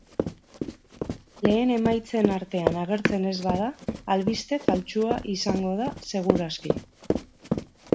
Lehen emaitzen artean agertzen ez bada, albiste faltsua izango da segur aski.